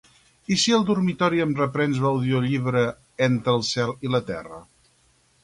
I si al dormitori em reprens l'audiollibre "Entre el cel i la terra"?